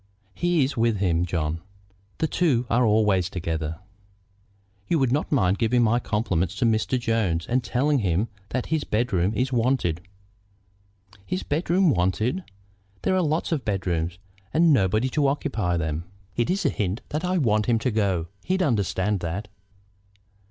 "He is with him, John. The two are always together." "You would not mind giving my compliments to Mr. Jones, and telling him that his bedroom is wanted?" "His bedroom wanted! There are lots of bedrooms, and nobody to occupy them." "It's a hint that I want him to go; he'd understand that."